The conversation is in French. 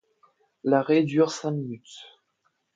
L'arrêt dure cinq minutes.